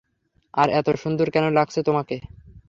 আর, এতো সুন্দর কেন লাগছে তোমাকে?